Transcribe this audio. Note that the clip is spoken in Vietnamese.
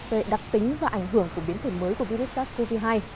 về đặc tính và ảnh hưởng của biến thể mới của virus sars cov hai